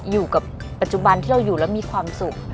อยู่กับปัจจุบันที่เราอยู่แล้วมีความสุข